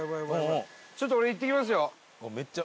ちょっと俺行ってきますよ。